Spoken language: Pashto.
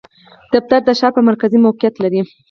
دفتر د ښار په مرکز کې موقعیت لری